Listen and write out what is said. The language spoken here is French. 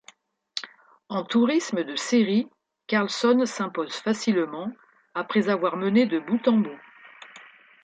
En tourisme de série, Carlsson s'impose facilement après avoir mené de bout en bout.